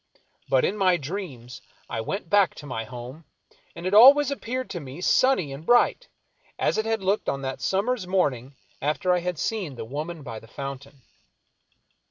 But in my dreams I went back to my home, and it ahvays appeared to me sunny and bright, as it had looked on that summer's morning after I had seen the woman by the fountain.